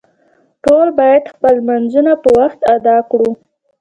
ټول باید خپل لمونځونه په وخت ادا کړو